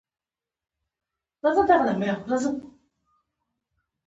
خوشاله ورځې تاته په خپله نه راځي.